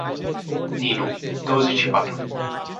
Ninu, douăzeci și patru.